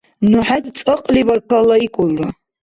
Ну хӀед цӀакьли баркаллаикӀулра!